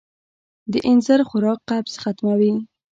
د اینځر خوراک قبض ختموي.